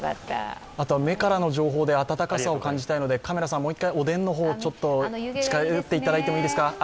目からの情報で温かさを感じたいのでカメラさん、おでんに近寄っていただいてもいいですか。